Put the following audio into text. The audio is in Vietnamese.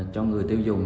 cho người tiêu dùng